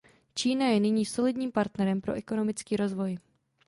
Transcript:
Čína je nyní solidním partnerem pro ekonomický rozvoj.